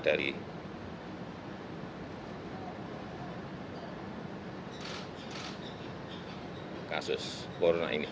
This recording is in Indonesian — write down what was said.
dari kasus corona ini